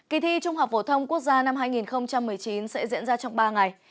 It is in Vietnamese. kỳ thi trung học phổ thông quốc gia năm hai nghìn một mươi chín sẽ diễn ra trong ba ngày